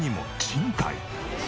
賃貸？